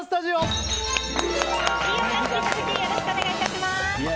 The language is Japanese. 飯尾さん、引き続きよろしくお願いいたします。